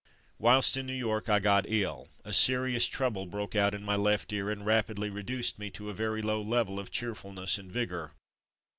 Whilst in New York I got ill. A serious trouble broke out in my left ear, and rapidly reduced me to a very low level of cheerful ness and vigour.